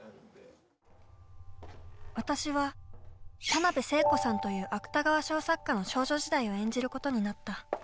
私は田辺聖子さんという芥川賞作家の少女時代を演じることになった。